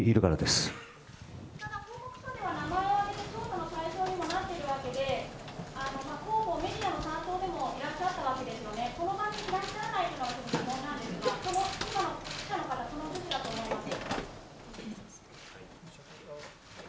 名前を挙げて調査の対象にもなっているわけで、広報、メディアの担当でもいらっしゃったので、このばにいらっしゃらないことが疑問なんですが、その今の記者の方、その部分だと思います。